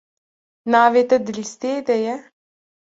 Navê te di lîsteyê de ye?